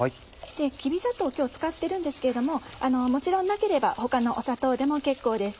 きび砂糖を今日使ってるんですけれどももちろんなければ他の砂糖でも結構です。